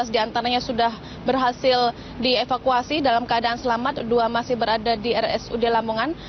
dua puluh tujuh dua belas diantaranya sudah berhasil dievakuasi dalam keadaan selamat dua masih berada di rs ud lamongan